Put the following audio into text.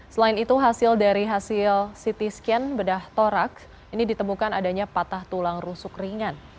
selain itu hasil dari hasil ct scan bedah torak ini ditemukan adanya patah tulang rusuk ringan